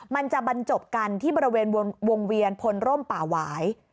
มันจะบรรจบกันที่บริเวณวงเวียนพลร่มป่าหวาย